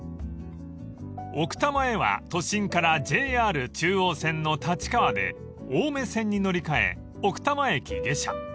［奥多摩へは都心からＪＲ中央線の立川で青梅線に乗り換え奥多摩駅下車］